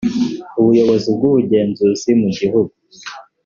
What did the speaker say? ubuyobozi bw’ubugenzuzi mu gihugu